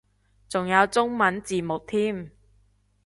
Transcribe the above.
仲有中文字幕添